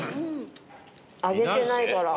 揚げてないから。